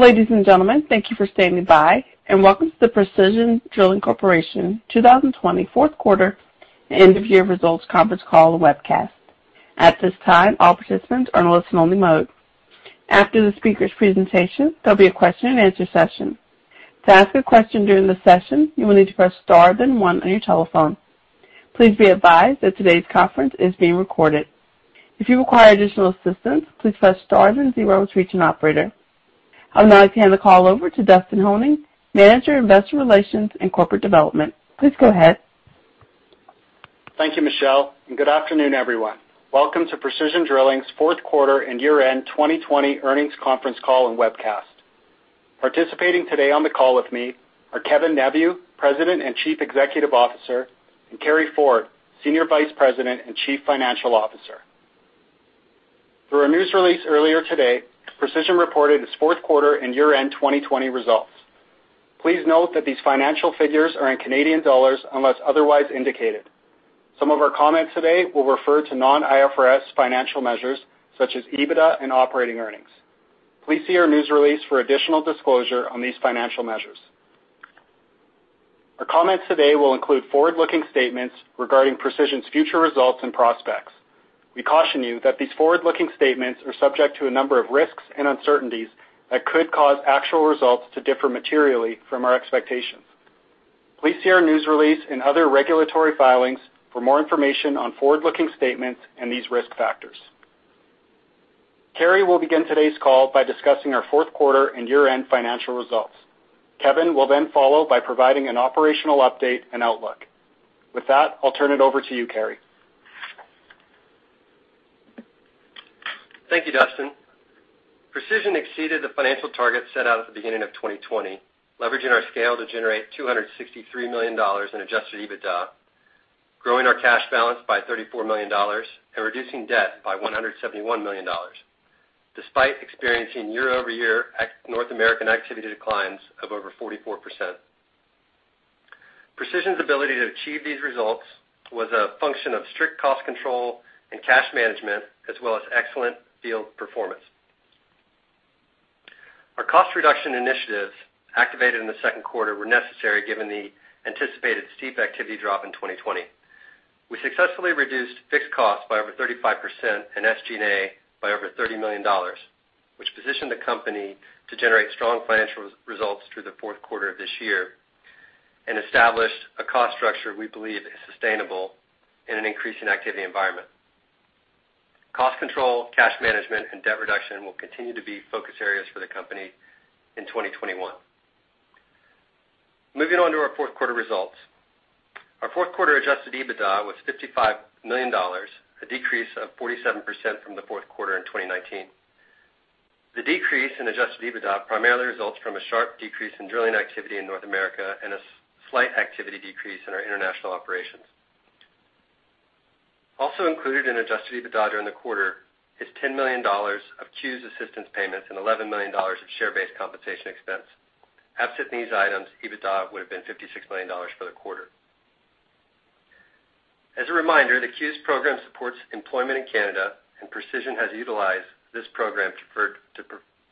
Ladies and gentlemen, thank you for standing by, and welcome to the Precision Drilling Corporation 2020 fourth quarter end of year results conference call and webcast. At this time, all participants are in listen only mode. After the speaker's presentation, there'll be a question and answer session. To ask a question during the session, you will need to press star then one on your telephone. Please be advised that today's conference is being recorded. If you require additional assistance, please press star then zero to reach an operator. I'll now hand the call over to Dustin Honing, Manager, Investor Relations and Corporate Development. Please go ahead. Thank you, Michelle, and good afternoon, everyone. Welcome to Precision Drilling's fourth quarter and year-end 2020 earnings conference call and webcast. Participating today on the call with me are Kevin Neveu, President and Chief Executive Officer, and Carey Ford, Senior Vice President and Chief Financial Officer. Through our news release earlier today, Precision reported its fourth quarter and year-end 2020 results. Please note that these financial figures are in Canadian dollars unless otherwise indicated. Some of our comments today will refer to non-IFRS financial measures such as EBITDA and operating earnings. Please see our news release for additional disclosure on these financial measures. Our comments today will include forward-looking statements regarding Precision's future results and prospects. We caution you that these forward-looking statements are subject to a number of risks and uncertainties that could cause actual results to differ materially from our expectations. Please see our news release and other regulatory filings for more information on forward-looking statements and these risk factors. Carey will begin today's call by discussing our fourth quarter and year-end financial results. Kevin will then follow by providing an operational update and outlook. With that, I'll turn it over to you, Carey. Thank you, Dustin. Precision Drilling exceeded the financial targets set out at the beginning of 2020, leveraging our scale to generate 263 million dollars in adjusted EBITDA, growing our cash balance by 34 million dollars and reducing debt by 171 million dollars, despite experiencing year-over-year North American activity declines of over 44%. Precision Drilling's ability to achieve these results was a function of strict cost control and cash management as well as excellent field performance. Our cost reduction initiatives activated in the second quarter were necessary given the anticipated steep activity drop in 2020. We successfully reduced fixed costs by over 35% and SG&A by over 30 million dollars, which positioned the company to generate strong financial results through the fourth quarter of this year and established a cost structure we believe is sustainable in an increasing activity environment. Cost control, cash management, and debt reduction will continue to be focus areas for the company in 2021. Moving on to our fourth quarter results. Our fourth quarter adjusted EBITDA was 55 million dollars, a decrease of 47% from the fourth quarter in 2019. The decrease in adjusted EBITDA primarily results from a sharp decrease in drilling activity in North America and a slight activity decrease in our international operations. Also included in adjusted EBITDA during the quarter is 10 million dollars of CEWS assistance payments and 11 million dollars of share-based compensation expense. Absent these items, EBITDA would have been 56 million dollars for the quarter. As a reminder, the CEWS program supports employment in Canada, and Precision has utilized this program to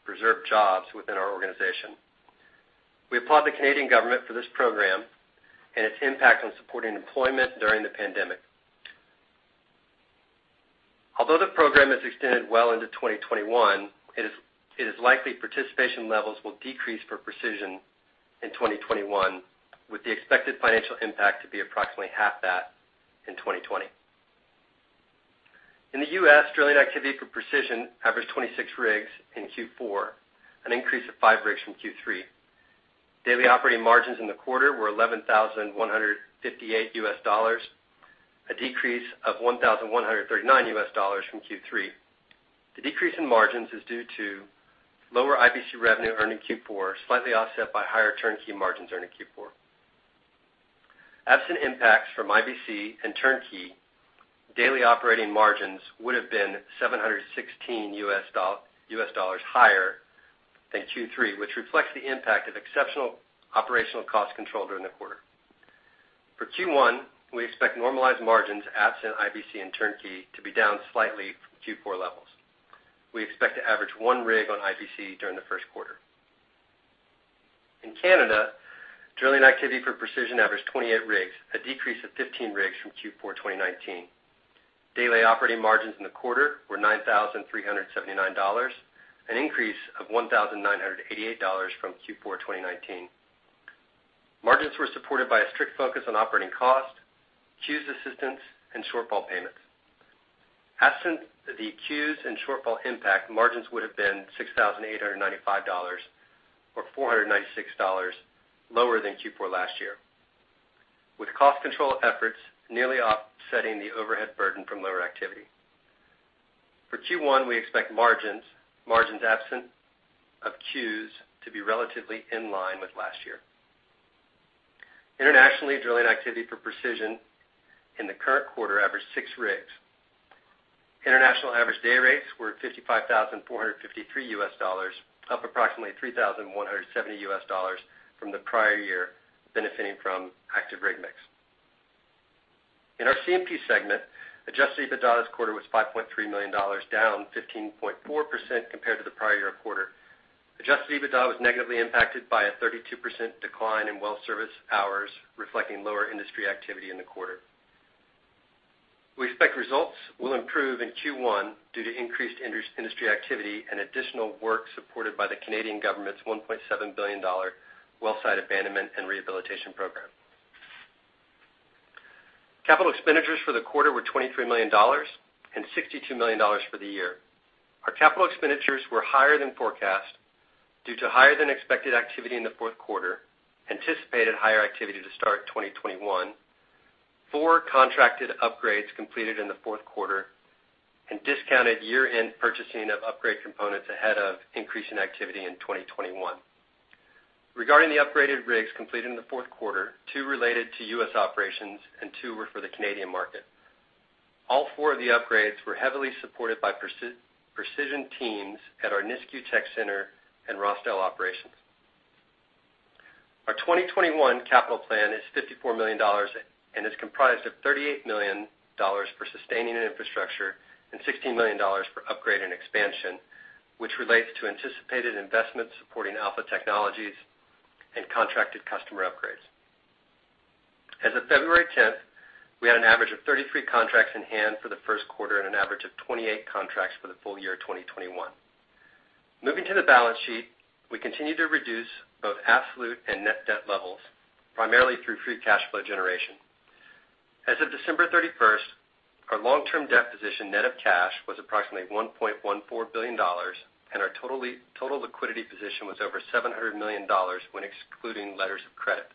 preserve jobs within our organization. We applaud the Canadian government for this program and its impact on supporting employment during the pandemic. Although the program is extended well into 2021, it is likely participation levels will decrease for Precision in 2021, with the expected financial impact to be approximately half that in 2020. In the U.S., drilling activity for Precision averaged 26 rigs in Q4, an increase of five rigs from Q3. Daily operating margins in the quarter were $11,158, a decrease of $1,139 from Q3. The decrease in margins is due to lower IBC revenue earned in Q4, slightly offset by higher turnkey margins earned in Q4. Absent impacts from IBC and turnkey, daily operating margins would have been $716 higher than Q3, which reflects the impact of exceptional operational cost control during the quarter. For Q1, we expect normalized margins absent IBC and turnkey to be down slightly from Q4 levels. We expect to average one rig on IBC during the first quarter. In Canada, drilling activity for Precision averaged 28 rigs, a decrease of 15 rigs from Q4 2019. Daily operating margins in the quarter were 9,379 dollars, an increase of 1,988 dollars from Q4 2019. Margins were supported by a strict focus on operating cost, CEWS assistance, and shortfall payments. Absent the CEWS and shortfall impact, margins would have been 6,895 dollars or 496 dollars lower than Q4 last year, with cost control efforts nearly offsetting the overhead burden from lower activity. For Q1, we expect margins absent of CEWS to be relatively in line with last year. Internationally, drilling activity for Precision in the current quarter averaged six rigs. International average day rates were $55,453, up approximately $3,170 from the prior year, benefiting from active rig mix. In our C&P segment, adjusted EBITDA this quarter was 5.3 million dollars, down 15.4% compared to the prior year quarter. Adjusted EBITDA was negatively impacted by a 32% decline in well service hours, reflecting lower industry activity in the quarter. We expect results will improve in Q1 due to increased industry activity and additional work supported by the Canadian government's 1.7 billion dollar wellsite abandonment and rehabilitation program. Capital expenditures for the quarter were 23 million dollars and 62 million dollars for the year. Our capital expenditures were higher than forecast due to higher than expected activity in the fourth quarter, anticipated higher activity to start 2021, four contracted upgrades completed in the fourth quarter, and discounted year-end purchasing of upgrade components ahead of increase in activity in 2021. Regarding the upgraded rigs completed in the fourth quarter, two related to U.S. operations and two were for the Canadian market. All four of the upgrades were heavily supported by Precision teams at our Nisku Tech Center and Rosedale operations. Our 2021 capital plan is 54 million dollars and is comprised of 38 million dollars for sustaining and infrastructure and 16 million dollars for upgrade and expansion, which relates to anticipated investments supporting Alpha Technologies and contracted customer upgrades. As of February 10th, we had an average of 33 contracts in hand for the first quarter and an average of 28 contracts for the full year 2021. Moving to the balance sheet, we continue to reduce both absolute and net debt levels, primarily through free cash flow generation. As of December 31st, our long-term debt position net of cash was approximately 1.14 billion dollars, and our total liquidity position was over 700 million dollars when excluding letters of credit.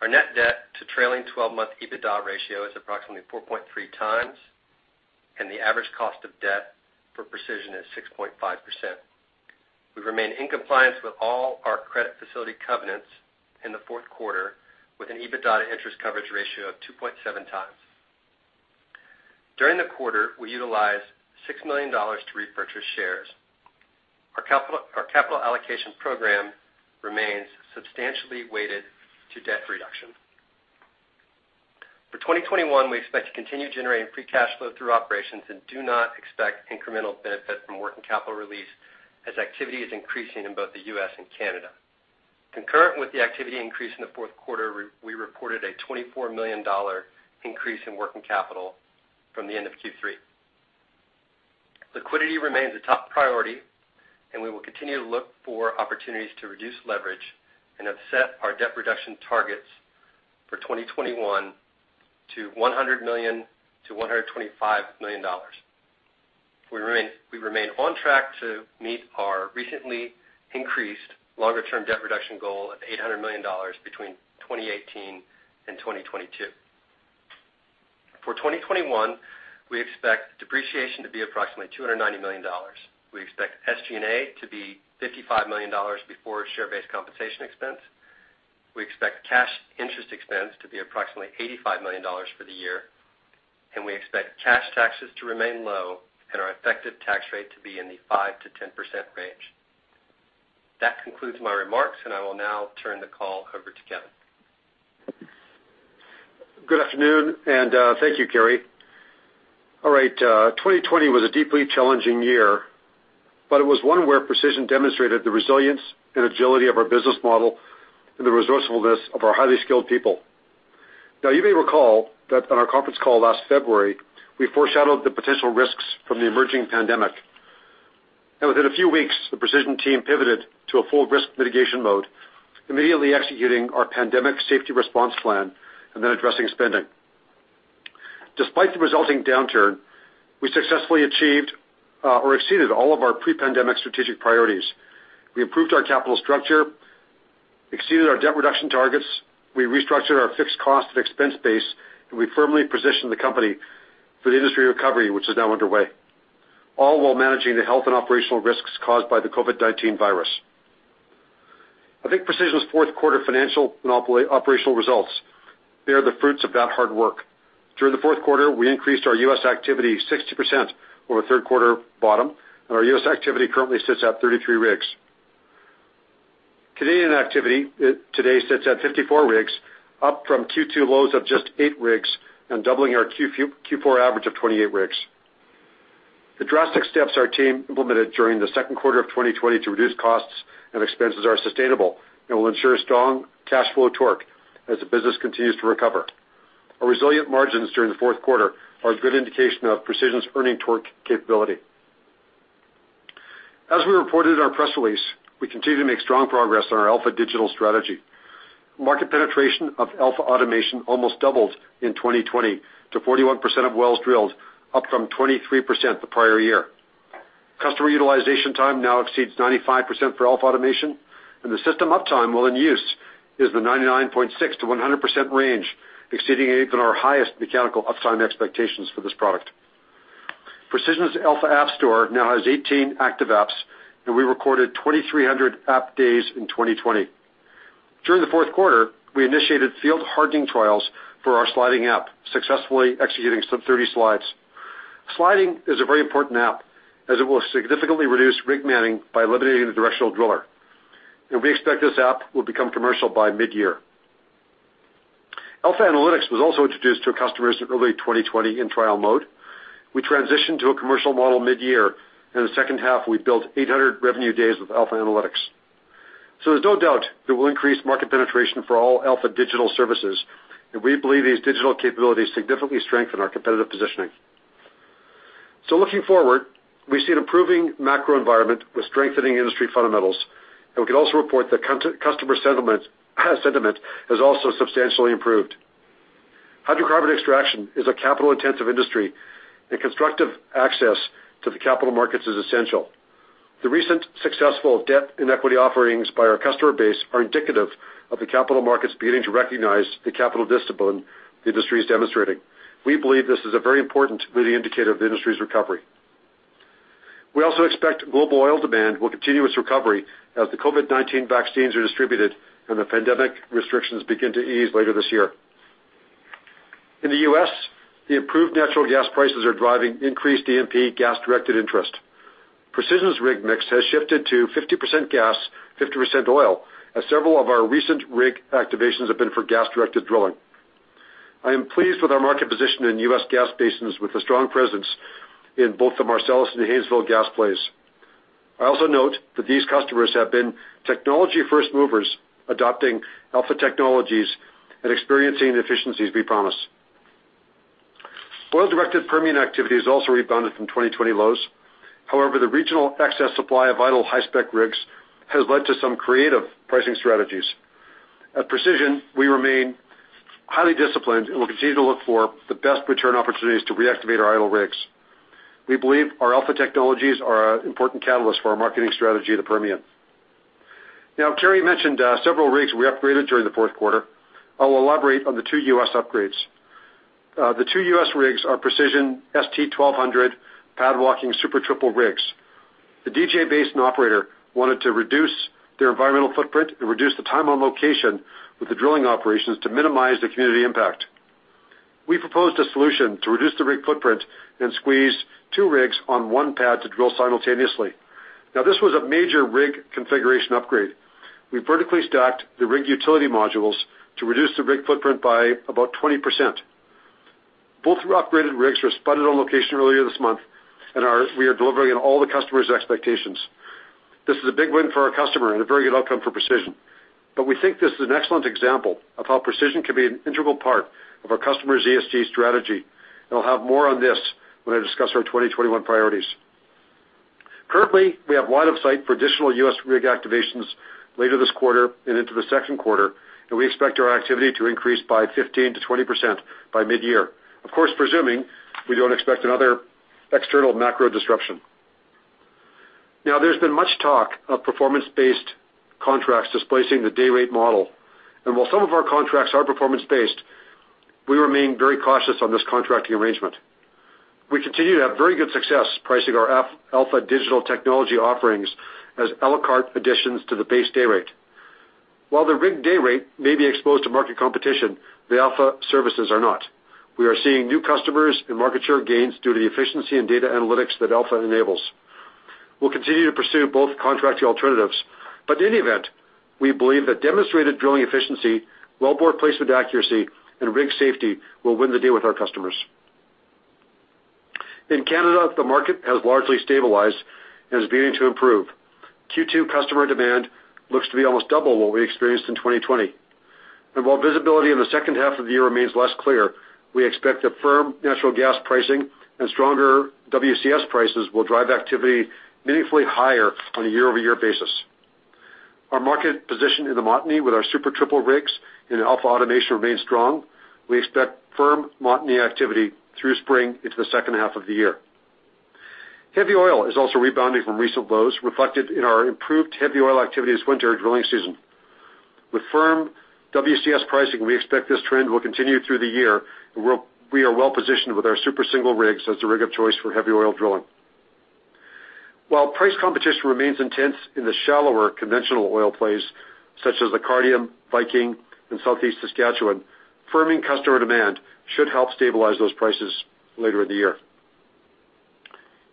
Our net debt to trailing 12-month EBITDA ratio is approximately 4.3x, and the average cost of debt for Precision is 6.5%. We remain in compliance with all our credit facility covenants in the fourth quarter, with an EBITDA interest coverage ratio of 2.7x. During the quarter, we utilized 6 million dollars to repurchase shares. Our capital allocation program remains substantially weighted to debt reduction. For 2021, we expect to continue generating free cash flow through operations and do not expect incremental benefit from working capital release as activity is increasing in both the U.S. and Canada. Concurrent with the activity increase in the fourth quarter, we reported a 24 million dollar increase in working capital from the end of Q3. Liquidity remains a top priority, and we will continue to look for opportunities to reduce leverage and have set our debt reduction targets for 2021 to 100 million-125 million dollars. We remain on track to meet our recently increased longer-term debt reduction goal of 800 million dollars between 2018 and 2022. For 2021, we expect depreciation to be approximately 290 million dollars. We expect SG&A to be 55 million dollars before share-based compensation expense. We expect cash interest expense to be approximately 85 million dollars for the year, and we expect cash taxes to remain low and our effective tax rate to be in the 5%-10% range. That concludes my remarks, and I will now turn the call over to Kevin. Good afternoon, and thank you, Carey. All right. 2020 was a deeply challenging year, but it was one where Precision demonstrated the resilience and agility of our business model and the resourcefulness of our highly skilled people. Now, you may recall that on our conference call last February, we foreshadowed the potential risks from the emerging pandemic. Within a few weeks, the Precision team pivoted to a full risk mitigation mode, immediately executing our pandemic safety response plan and then addressing spending. Despite the resulting downturn, we successfully achieved or exceeded all of our pre-pandemic strategic priorities. We improved our capital structure, exceeded our debt reduction targets, we restructured our fixed cost and expense base, and we firmly positioned the company for the industry recovery, which is now underway, all while managing the health and operational risks caused by the COVID-19 virus. I think Precision's fourth quarter financial and operational results, they are the fruits of that hard work. During the fourth quarter, we increased our U.S. activity 60% over the third quarter bottom, and our U.S. activity currently sits at 33 rigs. Canadian activity today sits at 54 rigs, up from Q2 lows of just eight rigs and doubling our Q4 average of 28 rigs. The drastic steps our team implemented during the second quarter of 2020 to reduce costs and expenses are sustainable and will ensure strong cash flow torque as the business continues to recover. Our resilient margins during the fourth quarter are a good indication of Precision's earning torque capability. As we reported in our press release, we continue to make strong progress on our Alpha digital strategy. Market penetration of AlphaAutomation almost doubled in 2020 to 41% of wells drilled, up from 23% the prior year. Customer utilization time now exceeds 95% for AlphaAutomation, the system uptime while in use is the 99.6%-100% range, exceeding even our highest mechanical uptime expectations for this product. Precision's Alpha App Store now has 18 active apps, we recorded 2,300 app days in 2020. During the fourth quarter, we initiated field hardening trials for our sliding app, successfully executing some 30 slides. Sliding is a very important app as it will significantly reduce rig manning by eliminating the directional driller. We expect this app will become commercial by mid-year. AlphaAnalytics was also introduced to our customers in early 2020 in trial mode. We transitioned to a commercial model mid-year. In the second half, we built 800 revenue days with AlphaAnalytics. There's no doubt that we'll increase market penetration for all Alpha digital services, and we believe these digital capabilities significantly strengthen our competitive positioning. Looking forward, we see an improving macro environment with strengthening industry fundamentals, and we can also report that customer sentiment has also substantially improved. Hydrocarbon extraction is a capital-intensive industry, and constructive access to the capital markets is essential. The recent successful debt and equity offerings by our customer base are indicative of the capital markets beginning to recognize the capital discipline the industry is demonstrating. We believe this is a very important leading indicator of the industry's recovery. We also expect global oil demand will continue its recovery as the COVID-19 vaccines are distributed and the pandemic restrictions begin to ease later this year. In the U.S., the improved natural gas prices are driving increased &P gas-directed interest. Precision's rig mix has shifted to 50% gas, 50% oil, as several of our recent rig activations have been for gas-directed drilling. I am pleased with our market position in U.S. gas basins, with a strong presence in both the Marcellus and Haynesville gas plays. I also note that these customers have been technology first movers, adopting Alpha technologies and experiencing the efficiencies we promise. Oil-directed Permian activity has also rebounded from 2020 lows. However, the regional excess supply of idle high-spec rigs has led to some creative pricing strategies. At Precision, we remain highly disciplined and will continue to look for the best return opportunities to reactivate our idle rigs. We believe our Alpha technologies are an important catalyst for our marketing strategy at the Permian. Now, Carey mentioned several rigs we upgraded during the fourth quarter. I'll elaborate on the two U.S. upgrades. The two U.S. rigs are Precision ST-1200 pad walking Super Triple rigs. The DJ Basin operator wanted to reduce their environmental footprint and reduce the time on location with the drilling operations to minimize the community impact. We proposed a solution to reduce the rig footprint and squeeze two rigs on one pad to drill simultaneously. Now, this was a major rig configuration upgrade. We vertically stacked the rig utility modules to reduce the rig footprint by about 20%. Both upgraded rigs were spotted on location earlier this month, and we are delivering on all the customers' expectations. This is a big win for our customer and a very good outcome for Precision, but we think this is an excellent example of how Precision can be an integral part of our customer's ESG strategy. I'll have more on this when I discuss our 2021 priorities. Currently, we have line of sight for additional U.S. rig activations later this quarter and into the second quarter. We expect our activity to increase by 15%-20% by mid-year. Of course, presuming we don't expect another external macro disruption. Now, there's been much talk of performance-based contracts displacing the day rate model. While some of our contracts are performance-based, we remain very cautious on this contracting arrangement. We continue to have very good success pricing our Alpha digital technology offerings as a la carte additions to the base day rate. While the rig day rate may be exposed to market competition, the Alpha services are not. We are seeing new customers and market share gains due to the efficiency and data analytics that Alpha enables. We'll continue to pursue both contracting alternatives, but in any event, we believe that demonstrated drilling efficiency, wellbore placement accuracy, and rig safety will win the day with our customers. In Canada, the market has largely stabilized and is beginning to improve. Q2 customer demand looks to be almost double what we experienced in 2020. While visibility in the second half of the year remains less clear, we expect that firm natural gas pricing and stronger WCS prices will drive activity meaningfully higher on a year-over-year basis. Our market position in the Montney with our Super Triple rigs and AlphaAutomation remains strong. We expect firm Montney activity through spring into the second half of the year. Heavy oil is also rebounding from recent lows, reflected in our improved heavy oil activity this winter drilling season. With firm WCS pricing, we expect this trend will continue through the year. We are well-positioned with our Super Single rigs as the rig of choice for heavy oil drilling. While price competition remains intense in the shallower conventional oil plays, such as the Cardium, Viking, and southeast Saskatchewan, firming customer demand should help stabilize those prices later in the year.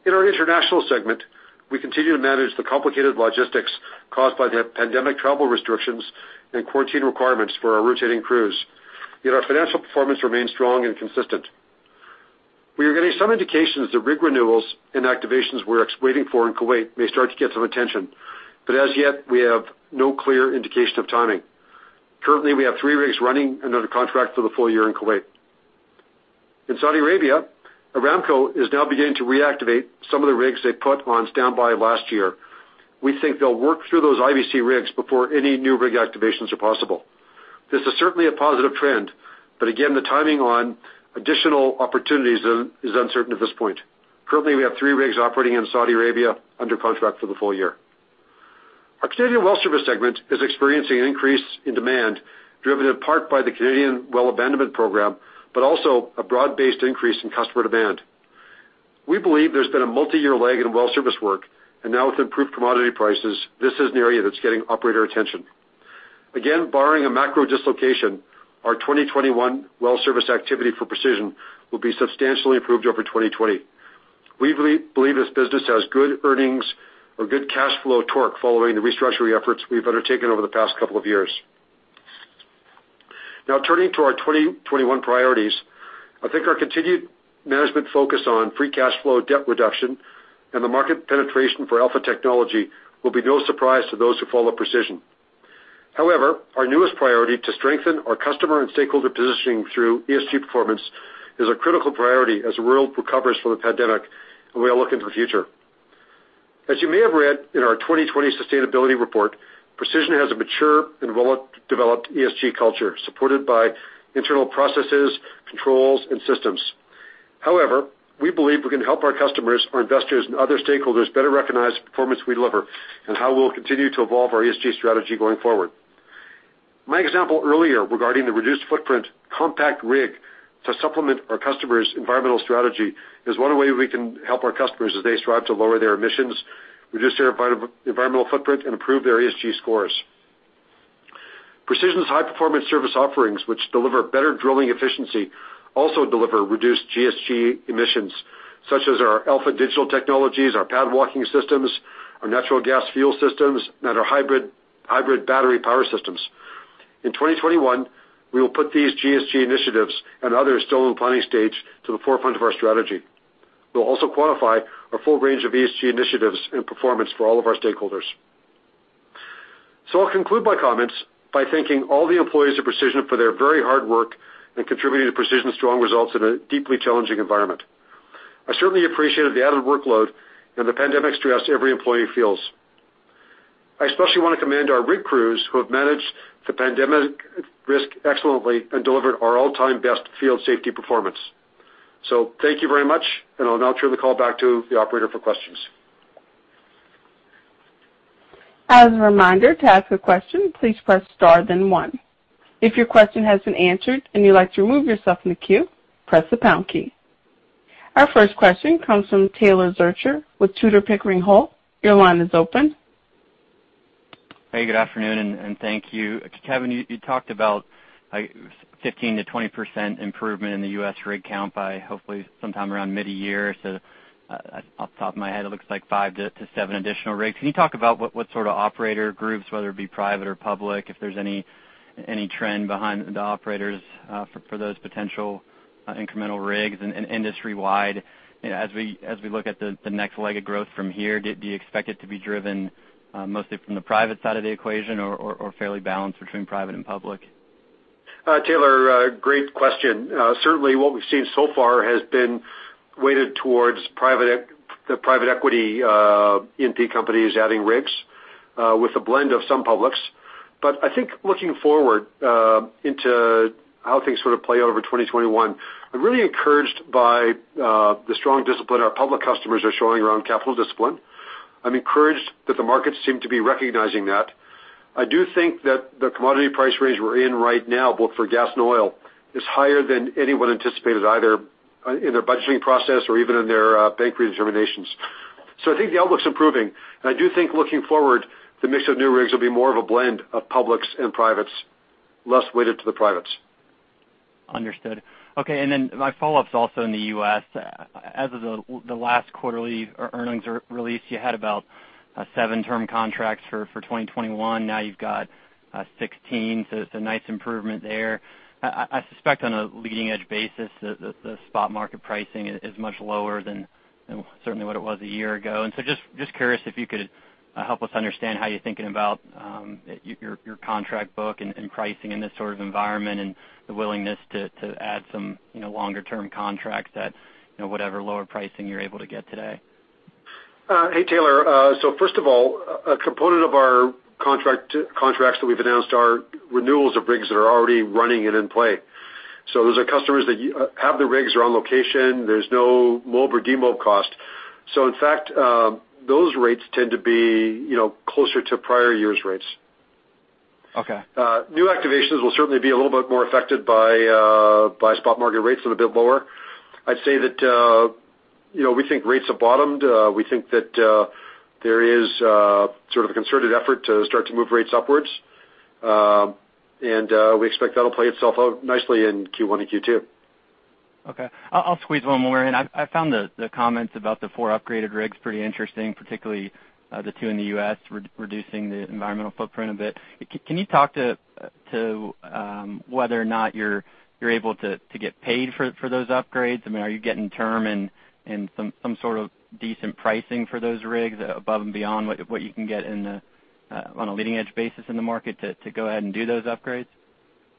In our international segment, we continue to manage the complicated logistics caused by the pandemic travel restrictions and quarantine requirements for our rotating crews. Our financial performance remains strong and consistent. We are getting some indications that rig renewals and activations we're waiting for in Kuwait may start to get some attention. As yet, we have no clear indication of timing. Currently, we have three rigs running another contract for the full year in Kuwait. In Saudi Arabia, Aramco is now beginning to reactivate some of the rigs they put on standby last year. We think they'll work through those IBC rigs before any new rig activations are possible. This is certainly a positive trend, but again, the timing on additional opportunities is uncertain at this point. Currently, we have three rigs operating in Saudi Arabia under contract for the full year. Our Canadian well service segment is experiencing an increase in demand, driven in part by the Canadian well abandonment program, but also a broad-based increase in customer demand. We believe there's been a multi-year lag in well service work, and now with improved commodity prices, this is an area that's getting operator attention. Again, barring a macro dislocation, our 2021 well service activity for Precision will be substantially improved over 2020. We believe this business has good earnings or good cash flow torque following the restructuring efforts we've undertaken over the past couple of years. Turning to our 2021 priorities, I think our continued management focus on free cash flow debt reduction and the market penetration for Alpha Technology will be no surprise to those who follow Precision. Our newest priority to strengthen our customer and stakeholder positioning through ESG performance is a critical priority as the world recovers from the pandemic and we all look into the future. As you may have read in our 2020 sustainability report, Precision has a mature and well-developed ESG culture supported by internal processes, controls, and systems. We believe we can help our customers, our investors, and other stakeholders better recognize the performance we deliver and how we'll continue to evolve our ESG strategy going forward. My example earlier regarding the reduced footprint compact rig to supplement our customers' environmental strategy is one way we can help our customers as they strive to lower their emissions, reduce their environmental footprint, and improve their ESG scores. Precision's high-performance service offerings, which deliver better drilling efficiency, also deliver reduced GHG emissions, such as our Alpha digital technologies, our pad walking systems, our natural gas fuel systems, and our hybrid battery power systems. In 2021, we will put these GHG initiatives and others still in the planning stage to the forefront of our strategy. We'll also quantify our full range of ESG initiatives and performance for all of our stakeholders. I'll conclude my comments by thanking all the employees of Precision for their very hard work in contributing to Precision's strong results in a deeply challenging environment. I certainly appreciated the added workload and the pandemic stress every employee feels. I especially want to commend our rig crews who have managed the pandemic risk excellently and delivered our all-time best field safety performance. Thank you very much, and I'll now turn the call back to the operator for questions. As a reminder, to ask a question, please press star then one. If your question has been answered and you'd like to remove yourself from the queue, press the pound key. Our first question comes from Taylor Zurcher with Tudor, Pickering, Holt. Your line is open. Hey, good afternoon, and thank you. Kevin, you talked about 15%-20% improvement in the U.S. rig count by hopefully sometime around mid-year. Off the top of my head, it looks like 5-7 additional rigs. Can you talk about what sort of operator groups, whether it be private or public, if there's any trend behind the operators for those potential incremental rigs and industry-wide as we look at the next leg of growth from here? Do you expect it to be driven mostly from the private side of the equation or fairly balanced between private and public? Taylor, great question. Certainly what we've seen so far has been weighted towards the private equity E&P companies adding rigs with a blend of some publics. I think looking forward into how things sort of play out over 2021, I'm really encouraged by the strong discipline our public customers are showing around capital discipline. I'm encouraged that the markets seem to be recognizing that. I do think that the commodity price range we're in right now, both for gas and oil, is higher than anyone anticipated, either in their budgeting process or even in their bank redeterminations. I think the outlook's improving, and I do think looking forward, the mix of new rigs will be more of a blend of publics and privates, less weighted to the privates. Understood. Okay, my follow-up's also in the U.S. As of the last quarterly earnings release, you had about seven term contracts for 2021. Now you've got 16. It's a nice improvement there. I suspect on a leading-edge basis, the spot market pricing is much lower than certainly what it was a year ago. Just curious if you could help us understand how you're thinking about your contract book and pricing in this sort of environment and the willingness to add some longer-term contracts at whatever lower pricing you're able to get today. Hey, Taylor. First of all, a component of our contracts that we've announced are renewals of rigs that are already running and in play. Those are customers that have the rigs, they're on location. There's no mob or demob cost. In fact, those rates tend to be closer to prior years' rates. Okay. New activations will certainly be a little bit more affected by spot market rates and a bit lower. I'd say that we think rates have bottomed. We think that there is sort of a concerted effort to start to move rates upwards. We expect that'll play itself out nicely in Q1 and Q2. I'll squeeze one more in. I found the comments about the four upgraded rigs pretty interesting, particularly the two in the U.S. reducing the environmental footprint a bit. Can you talk to whether or not you're able to get paid for those upgrades? I mean, are you getting term and some sort of decent pricing for those rigs above and beyond what you can get on a leading-edge basis in the market to go ahead and do those upgrades?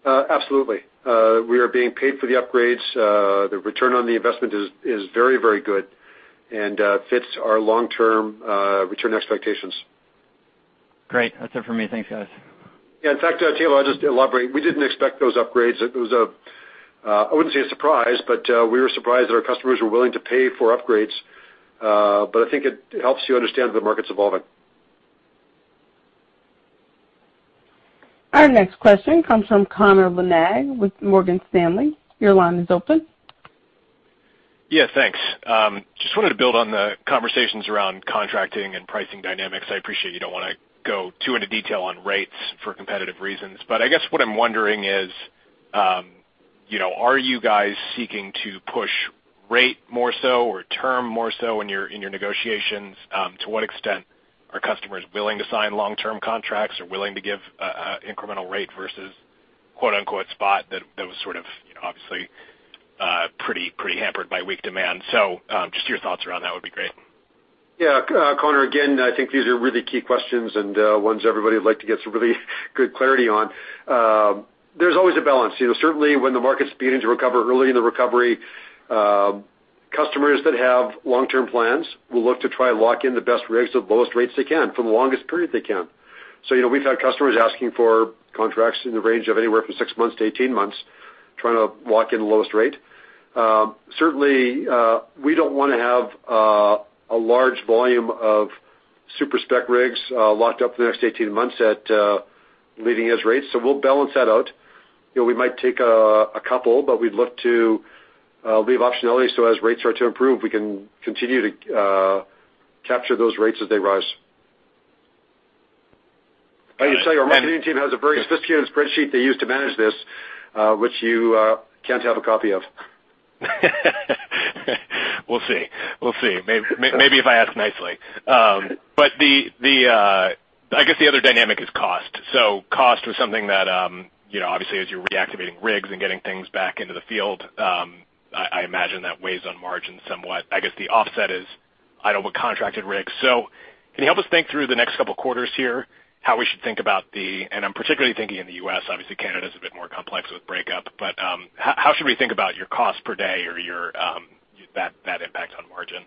Absolutely. We are being paid for the upgrades. The return on the investment is very good and fits our long-term return expectations. Great. That's it for me. Thanks, guys. Yeah. In fact, Taylor, I'll just elaborate. We didn't expect those upgrades. I wouldn't say a surprise, but we were surprised that our customers were willing to pay for upgrades. I think it helps you understand that the market's evolving. Our next question comes from Connor Lynagh with Morgan Stanley. Your line is open. Yeah, thanks. Just wanted to build on the conversations around contracting and pricing dynamics. I appreciate you don't want to go too into detail on rates for competitive reasons. I guess what I'm wondering is, are you guys seeking to push rate more so or term more so in your negotiations? To what extent are customers willing to sign long-term contracts or willing to give incremental rate versus quote unquote spot that was sort of obviously pretty hampered by weak demand? Just your thoughts around that would be great. Yeah. Connor, again, I think these are really key questions and ones everybody would like to get some really good clarity on. There's always a balance. Certainly when the market's beginning to recover, early in the recovery, customers that have long-term plans will look to try and lock in the best rigs at the lowest rates they can for the longest period they can. We've had customers asking for contracts in the range of anywhere from six months to 18 months, trying to lock in the lowest rate. Certainly, we don't want to have a large volume of super spec rigs locked up for the next 18 months at leading edge rates, we'll balance that out. We might take a couple, we'd look to leave optionality as rates are to improve, we can continue to capture those rates as they rise. I can tell you our marketing team has a very sophisticated spreadsheet they use to manage this, which you can't have a copy of. We'll see. Maybe if I ask nicely. I guess the other dynamic is cost. Cost was something that, obviously as you're reactivating rigs and getting things back into the field, I imagine that weighs on margin somewhat. I guess the offset is contracted rigs. Can you help us think through the next couple of quarters here, how we should think about the, and I'm particularly thinking in the U.S., obviously Canada's a bit more complex with breakup, but how should we think about your cost per day or that impact on margin?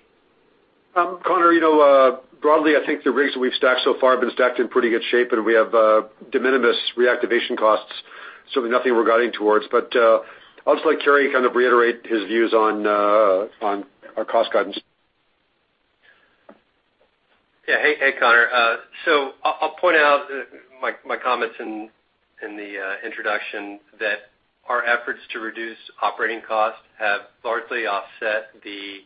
Connor, broadly, I think the rigs that we've stacked so far have been stacked in pretty good shape, and we have de minimis reactivation costs, so nothing we're guiding towards. I'll just let Carey kind of reiterate his views on our cost guidance. Yeah. Hey, Connor. I'll point out my comments in the introduction that our efforts to reduce operating costs have largely offset the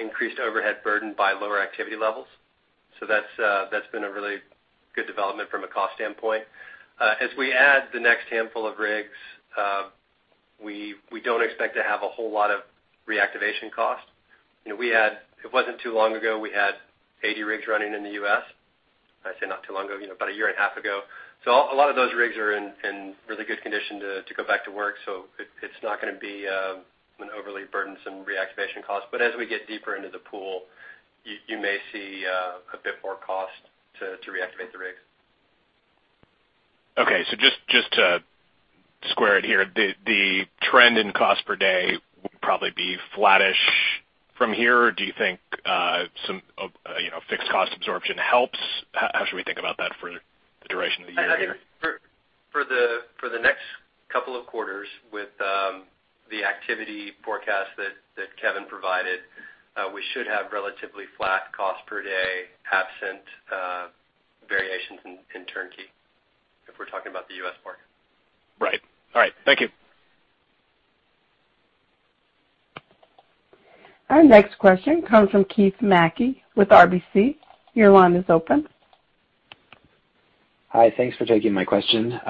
increased overhead burden by lower activity levels. That's been a really good development from a cost standpoint. As we add the next handful of rigs, we don't expect to have a whole lot of reactivation costs. It wasn't too long ago we had 80 rigs running in the U.S. I say not too long ago, about a year and a half ago. A lot of those rigs are in really good condition to go back to work. It's not going to be an overly burdensome reactivation cost. As we get deeper into the pool, you may see a bit more cost to reactivate the rigs. Okay, just to square it here, the trend in cost per day would probably be flattish from here, or do you think fixed cost absorption helps? How should we think about that for the duration of the year? I think for the next couple of quarters with the activity forecast that Kevin provided, we should have relatively flat cost per day absent variations in turnkey, if we're talking about the U.S. market. Right. All right. Thank you. Our next question comes from Keith Mackey with RBC. Your line is open. Hi, thanks for taking my question.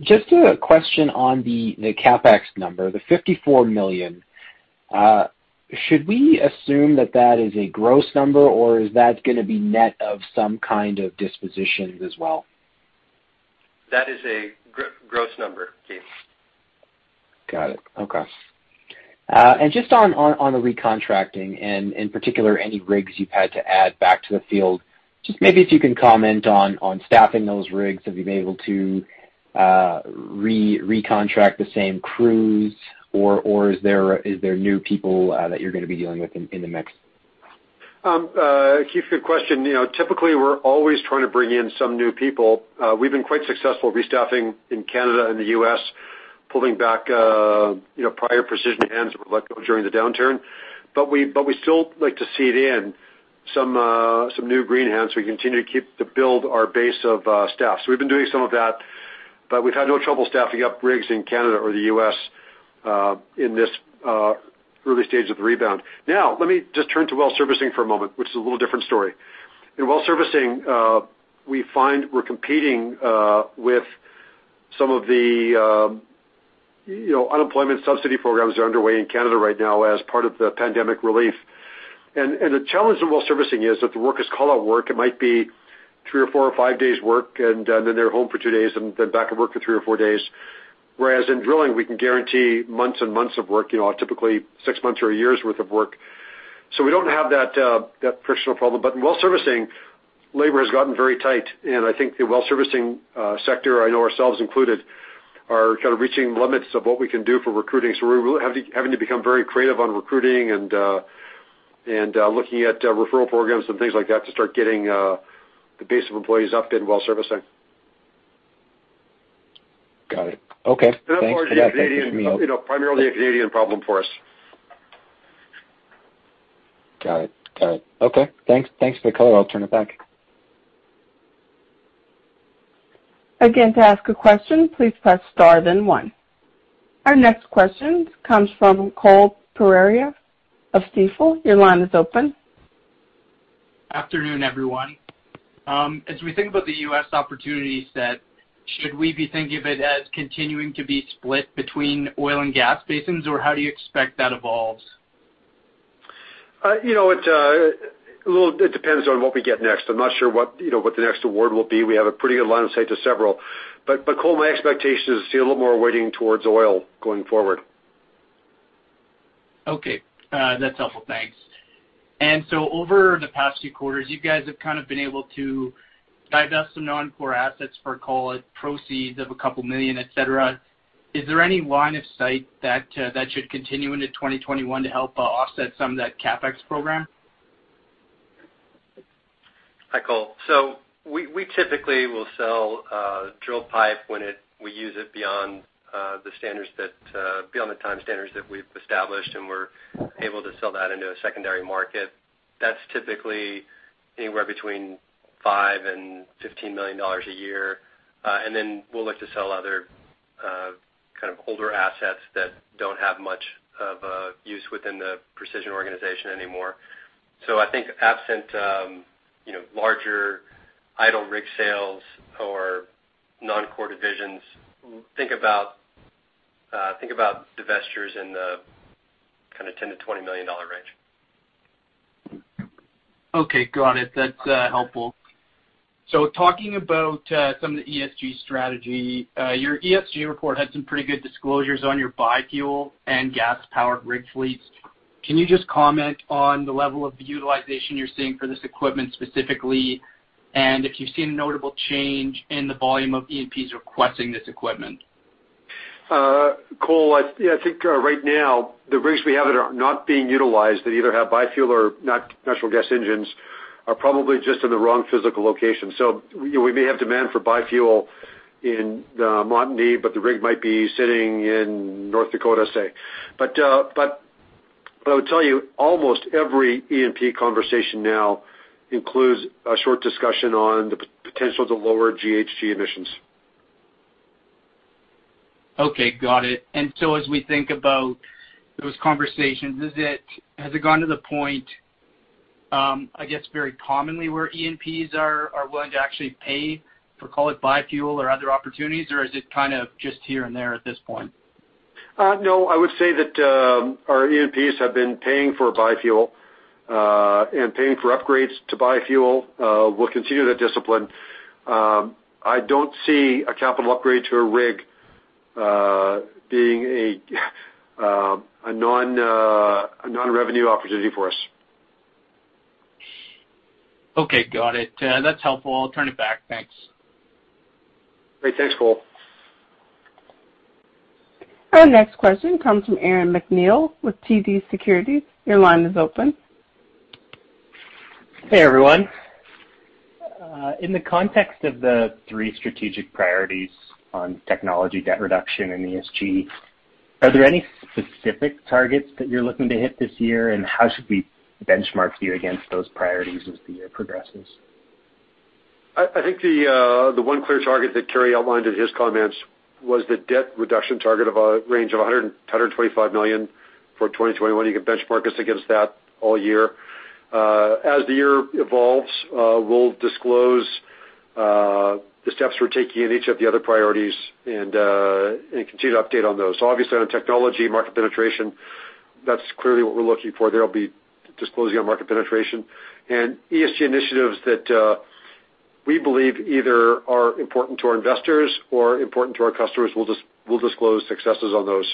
Just a question on the CapEx number, the 54 million. Should we assume that that is a gross number, or is that going to be net of some kind of dispositions as well? That is a gross number, Keith. Got it. Okay. Just on the recontracting, and in particular any rigs you've had to add back to the field, just maybe if you can comment on staffing those rigs. Have you been able to recontract the same crews, or is there new people that you're going to be dealing with in the mix? Keith, good question. Typically, we're always trying to bring in some new people. We've been quite successful restaffing in Canada and the U.S., pulling back prior Precision hands we let go during the downturn. We still like to seed in some new green hands so we continue to build our base of staff. We've been doing some of that, but we've had no trouble staffing up rigs in Canada or the U.S. in this early stage of the rebound. Now, let me just turn to well servicing for a moment, which is a little different story. In well servicing, we find we're competing with some of the unemployment subsidy programs that are underway in Canada right now as part of the pandemic relief. The challenge in well servicing is if the workers call out work, it might be three, four, or five days work, and then they're home for two days and then back at work for three or four days. Whereas in drilling, we can guarantee months and months of work, typically six months or a year's worth of work. We don't have that personal problem, but in well servicing, labor has gotten very tight, and I think the well servicing sector, I know ourselves included, are kind of reaching limits of what we can do for recruiting. We're having to become very creative on recruiting and looking at referral programs and things like that to start getting the base of employees up in well servicing. Got it. Okay. Thanks for that. Primarily a Canadian problem for us. Got it. Okay. Thanks for the color. I'll turn it back. Again, to ask a question, please press star then one. Our next question comes from Cole Pereira of Stifel. Your line is open. Afternoon, everyone. As we think about the U.S. opportunity set, should we be thinking of it as continuing to be split between oil and gas basins, or how do you expect that evolves? It depends on what we get next. I'm not sure what the next award will be. We have a pretty good line of sight to several. Cole, my expectation is to see a little more weighting towards oil going forward. Okay. That's helpful. Thanks. Over the past few quarters, you guys have been able to divest some non-core assets for call it proceeds of a couple of million, et cetera. Is there any line of sight that should continue into 2021 to help offset some of that CapEx program? Hi, Cole. We typically will sell drill pipe when we use it beyond the time standards that we've established, and we're able to sell that into a secondary market. That's typically anywhere between 5 million and 15 million dollars a year. Then we'll look to sell other kind of older assets that don't have much of a use within the Precision organization anymore. I think absent larger idle rig sales or non-core divisions, think about divestitures in the kind of 10 million-20 million dollar range. Okay. Got it. That's helpful. Talking about some of the ESG strategy. Your ESG report had some pretty good disclosures on your bi-fuel and gas-powered rig fleets. Can you just comment on the level of utilization you're seeing for this equipment specifically, and if you've seen a notable change in the volume of E&Ps requesting this equipment? Cole, I think right now the rigs we have that are not being utilized, that either have bi-fuel or natural gas engines, are probably just in the wrong physical location. We may have demand for bi-fuel in the Montney, but the rig might be sitting in North Dakota, say. I would tell you, almost every E&P conversation now includes a short discussion on the potential to lower GHG emissions. Okay, got it. As we think about those conversations, has it gotten to the point, I guess, very commonly where E&Ps are willing to actually pay for, call it, bi-fuel or other opportunities, or is it kind of just here and there at this point? I would say that our E&Ps have been paying for bi-fuel, and paying for upgrades to bi-fuel. We'll continue that discipline. I don't see a capital upgrade to a rig being a non-revenue opportunity for us. Okay, got it. That's helpful. I'll turn it back. Thanks. Great. Thanks, Cole. Our next question comes from Aaron MacNeil with TD Securities. Your line is open. Hey, everyone. In the context of the three strategic priorities on technology, debt reduction, and ESG, are there any specific targets that you're looking to hit this year, and how should we benchmark you against those priorities as the year progresses? I think the one clear target that Carey outlined in his comments was the debt reduction target of a range of 100 million-125 million for 2021. You can benchmark us against that all year. As the year evolves, we'll disclose the steps we're taking in each of the other priorities and continue to update on those. Obviously, on technology market penetration, that's clearly what we're looking for there. I'll be disclosing on market penetration. ESG initiatives that we believe either are important to our investors or important to our customers, we'll disclose successes on those.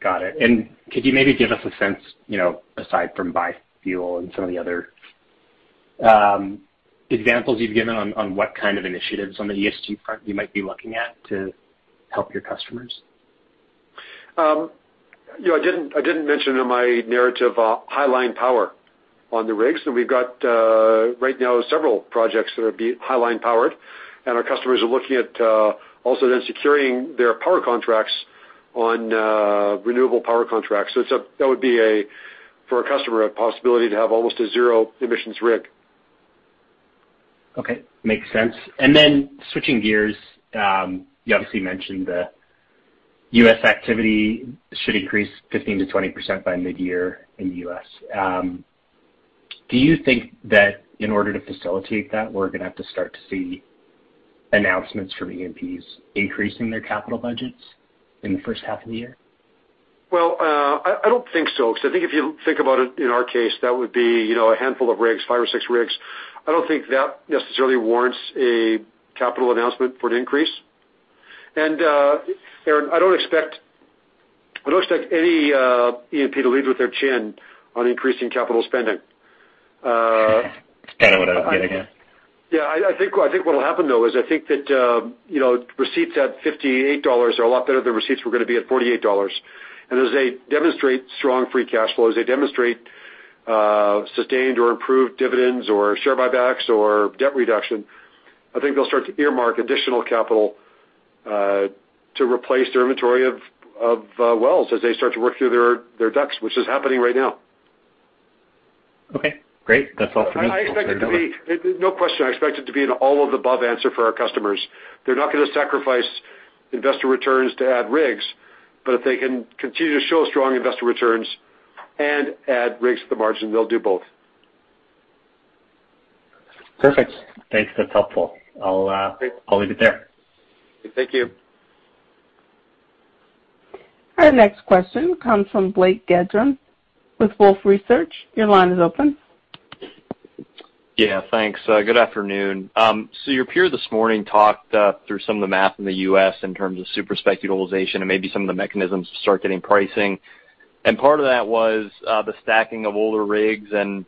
Got it. Could you maybe give us a sense, aside from bi-fuel and some of the other examples you've given, on what kind of initiatives on the ESG front you might be looking at to help your customers? I didn't mention in my narrative high line power on the rigs. We've got right now several projects that are high line powered, and our customers are looking at also then securing their power contracts on renewable power contracts. That would be, for a customer, a possibility to have almost a zero-emissions rig. Okay. Makes sense. Switching gears, you obviously mentioned the U.S. activity should increase 15%-20% by mid-year in the U.S. Do you think that in order to facilitate that, we're going to have to start to see announcements from E&Ps increasing their capital budgets in the first half of the year? Well, I don't think so, because I think if you think about it, in our case, that would be a handful of rigs, five or six rigs. I don't think that necessarily warrants a capital announcement for an increase. Aaron, I don't expect any E&P to lead with their chin on increasing capital spending. That's kind of what I was getting at. Yeah, I think what will happen, though, is I think that receipts at 58 dollars are a lot better than receipts were going to be at 48 dollars. As they demonstrate strong free cash flow, as they demonstrate sustained or improved dividends or share buybacks or debt reduction, I think they'll start to earmark additional capital to replace their inventory of wells as they start to work through their DUCs, which is happening right now. Okay, great. That's all for me. Thanks, everyone. No question, I expect it to be an all of the above answer for our customers. They're not going to sacrifice investor returns to add rigs, but if they can continue to show strong investor returns and add rigs to the margin, they'll do both. Perfect. Thanks. That's helpful. I'll leave it there. Thank you. Our next question comes from Blake Gendron with Wolfe Research. Your line is open. Yeah. Thanks. Good afternoon. Your peer this morning talked through some of the math in the U.S. in terms of Super Spec utilization and maybe some of the mechanisms to start getting pricing. Part of that was the stacking of older rigs and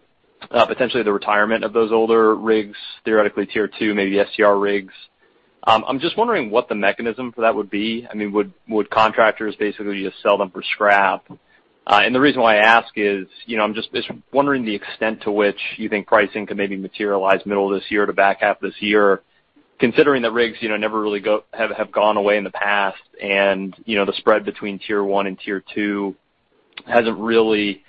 potentially the retirement of those older rigs, theoretically tier 2, maybe SCR rigs. I'm just wondering what the mechanism for that would be. Would contractors basically just sell them for scrap? The reason why I ask is, I'm just wondering the extent to which you think pricing could maybe materialize middle of this year to back half this year, considering that rigs never really have gone away in the past and the spread between tier 1 and tier 2 hasn't really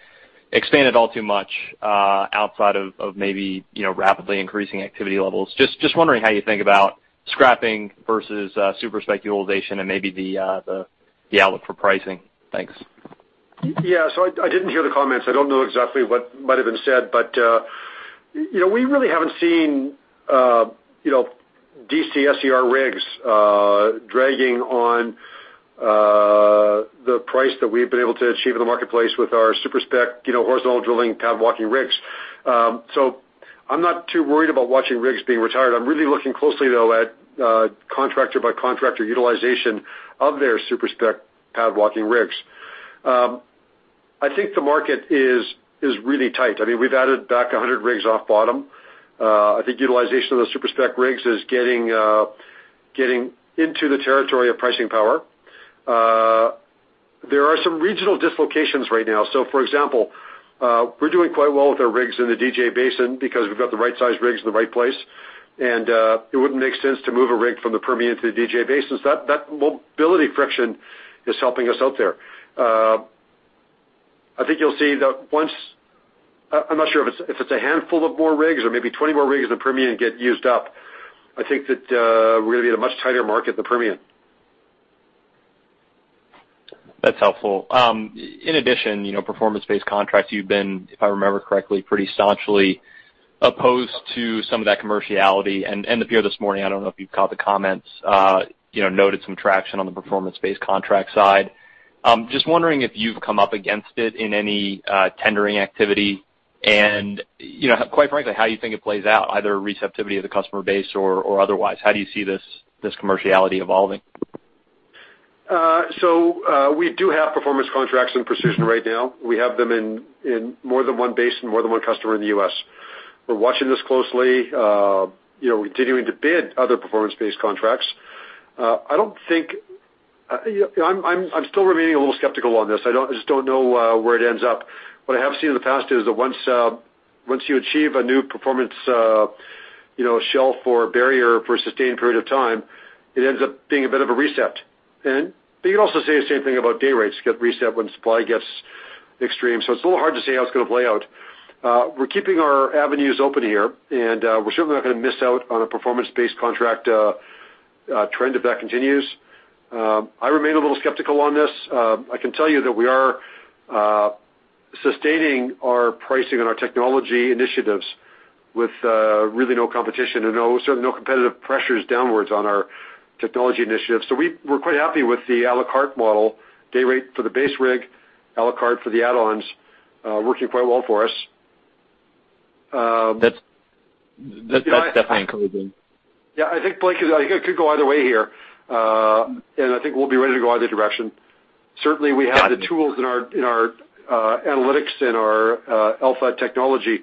expanded all too much outside of maybe rapidly increasing activity levels. Just wondering how you think about scrapping versus super spec utilization and maybe the outlook for pricing. Thanks. Yeah. I didn't hear the comments. I don't know exactly what might've been said, we really haven't seen DC SCR rigs dragging on the price that we've been able to achieve in the marketplace with our super spec horizontal drilling pad walking rigs. I'm not too worried about watching rigs being retired. I'm really looking closely, though, at contractor by contractor utilization of their super spec pad walking rigs. I think the market is really tight. We've added back 100 rigs off bottom. I think utilization of those super spec rigs is getting into the territory of pricing power. There are some regional dislocations right now. For example, we're doing quite well with our rigs in the DJ Basin because we've got the right size rigs in the right place, and it wouldn't make sense to move a rig from the Permian to the DJ Basin. That mobility friction is helping us out there. I'm not sure if it's a handful of more rigs or maybe 20 more rigs in the Permian get used up, I think that we're going to be at a much tighter market in the Permian. That's helpful. In addition, performance-based contracts, you've been, if I remember correctly, pretty staunchly opposed to some of that commerciality. The peer this morning, I don't know if you've caught the comments, noted some traction on the performance-based contract side. Just wondering if you've come up against it in any tendering activity and, quite frankly, how you think it plays out, either receptivity of the customer base or otherwise. How do you see this commerciality evolving? We do have performance contracts in Precision Drilling right now. We have them in more than one basin, more than one customer in the U.S. We're watching this closely, continuing to bid other performance-based contracts. I'm still remaining a little skeptical on this. I just don't know where it ends up. What I have seen in the past is that once you achieve a new performance shelf or barrier for a sustained period of time, it ends up being a bit of a reset. You could also say the same thing about day rates get reset when supply gets extreme. It's a little hard to say how it's going to play out. We're keeping our avenues open here, and we're certainly not going to miss out on a performance-based contract trend if that continues. I remain a little skeptical on this. I can tell you that we are sustaining our pricing and our technology initiatives with really no competition and certainly no competitive pressures downwards on our technology initiatives. We're quite happy with the à la carte model, day rate for the base rig, à la carte for the add-ons, working quite well for us. That's definitely encouraging. Yeah, I think, Blake, it could go either way here. I think we'll be ready to go either direction. Certainly we have the tools in our analytics and our Alpha technology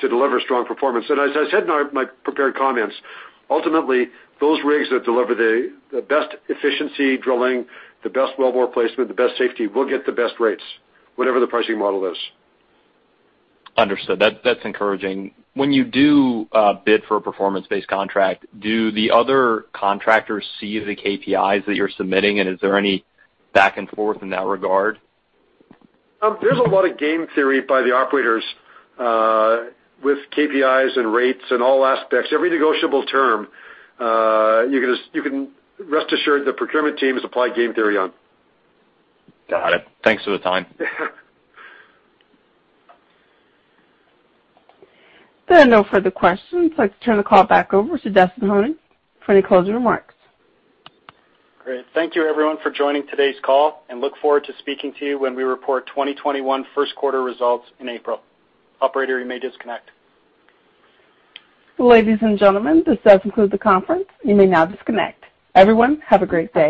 to deliver strong performance. As I said in my prepared comments, ultimately, those rigs that deliver the best efficiency drilling, the best well bore placement, the best safety, will get the best rates, whatever the pricing model is. Understood. That's encouraging. When you do a bid for a performance-based contract, do the other contractors see the KPIs that you're submitting, and is there any back and forth in that regard? There's a lot of game theory by the operators with KPIs and rates and all aspects. Every negotiable term, you can rest assured the procurement teams apply game theory on. Got it. Thanks for the time. There are no further questions. I'd like to turn the call back over to Dustin Honing for any closing remarks. Great. Thank you everyone for joining today's call, and look forward to speaking to you when we report 2021 first quarter results in April. Operator, you may disconnect. Ladies and gentlemen, this does conclude the conference. You may now disconnect. Everyone, have a great day.